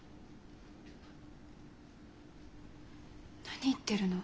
何言ってるの？